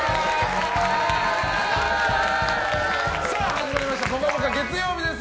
始まりました「ぽかぽか」月曜日です。